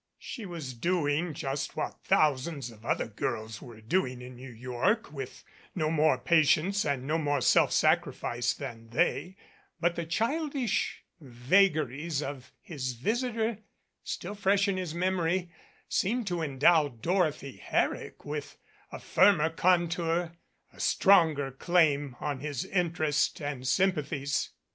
She was doing just what thousands of other girls were doing in New York, with no more patience and no more self sacrifice than they, but the childish vagaries of his visitor, still fresh in his memory, seemed to endow Dor othy Herrick with a firmer contour, a stronger claim on his interest and sympathies.